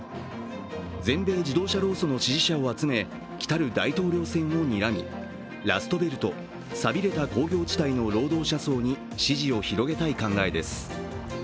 全米自動車労組の支持者を集め、来る大統領選をにらみ、ラストベルト＝さびれた工業地帯の労働者層に支持を広げたい考えです。